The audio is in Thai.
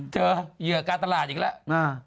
เหยื่อการตลาดอีกแล้ว